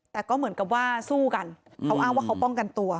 แต่ก็เหมือนกับว่าสู้กันเขาอ้างว่าเขาป้องกันตัว